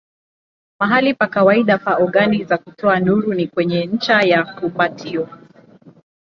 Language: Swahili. Mahali pa kawaida pa ogani za kutoa nuru ni kwenye ncha ya fumbatio.